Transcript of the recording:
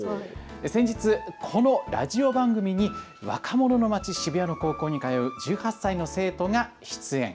先日このラジオ番組に若者の街、渋谷の高校に通う１８歳の生徒が出演。